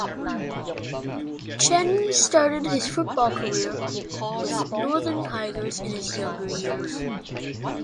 Cheng started his football career with Northern Tigers in his younger years.